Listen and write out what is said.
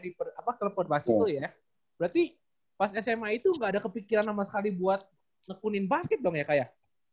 di kelab kelab basel itu ya berarti pas sma itu enggak ada kepikiran sama sekali buat ngepunin basket dong ya kayak